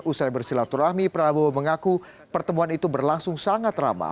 usai bersilaturahmi prabowo mengaku pertemuan itu berlangsung sangat ramah